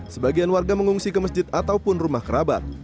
sebagian warga mengungsi ke masjid ataupun rumah kerabat